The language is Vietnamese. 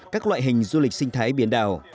các loại hình du lịch sinh thái biển đảo